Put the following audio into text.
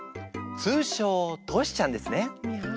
通称トシちゃんですね。